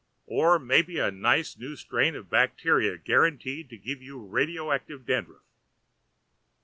Or maybe a nice new strain of bacteria guaranteed to give you radio active dandruff.